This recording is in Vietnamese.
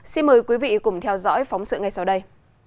xin mời quý vị cùng theo dõi phóng sự ngay sau đây